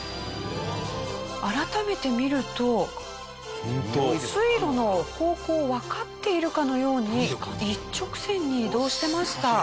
改めて見ると水路の方向わかっているかのように一直線に移動してました。